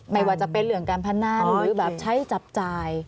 หมายว่าเป็นเหลืองการพนันหรือใช้จับจ่าย